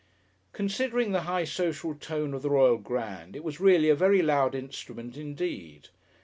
Considering the high social tone of the Royal Grand, it was really a very loud instrument indeed.